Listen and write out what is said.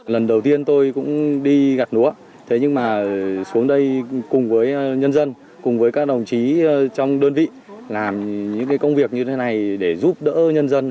lần đầu tiên tôi cũng đi gặt lúa thế nhưng mà xuống đây cùng với nhân dân cùng với các đồng chí trong đơn vị làm những công việc như thế này để giúp đỡ nhân dân